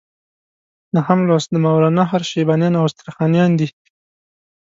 نهم لوست د ماوراء النهر شیبانیان او استرخانیان دي.